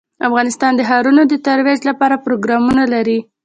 افغانستان د ښارونه د ترویج لپاره پروګرامونه لري.